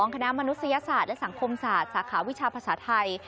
คณะมนุษยศาสตร์และสังคมศาสตร์สาขาวิชาภาษาไทย